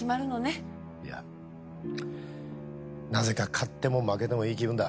いやなぜか勝っても負けてもいい気分だ。